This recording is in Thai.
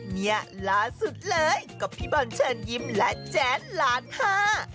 เนี่ยล่าสุดเลยก็พี่บอลเชิญยิ้มและแจ๊ดล้านห้า